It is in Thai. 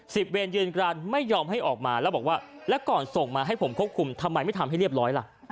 เวรยืนกรานไม่ยอมให้ออกมาแล้วบอกว่าแล้วก่อนส่งมาให้ผมควบคุมทำไมไม่ทำให้เรียบร้อยล่ะ